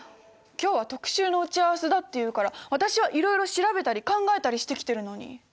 今日は特集の打ち合わせだっていうから私はいろいろ調べたり考えたりしてきてるのに。